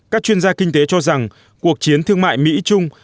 các chuyên gia kinh tế cho rằng cuộc chiến thương mại mỹ trung